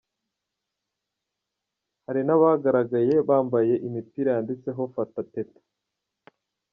Hari n’abagaragaye bambaye imipira yanditseho ‘Fata Teta’.